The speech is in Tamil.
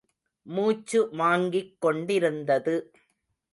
மூச்சு வாங்கிக் கொண்டிருந்தது.